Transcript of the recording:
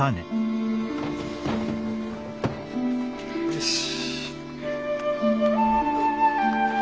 よし。